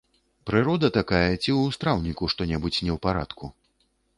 Прырода такая ці ў страўніку што-небудзь не ў парадку?